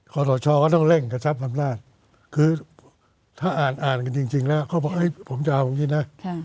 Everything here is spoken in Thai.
ขอต่อช่อง็ต้องเร่งกระชับคำนาจคือถ้าอ่านกันจริงนะเขาบอกผมจะเอาแบบนี้นะ